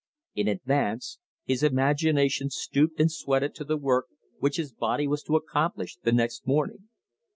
In advance his imagination stooped and sweated to the work which his body was to accomplish the next morning.